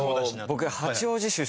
僕。